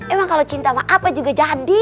emang kalau cinta sama apa juga jadi